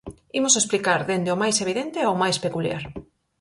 Imos explicar dende o máis evidente ao máis peculiar.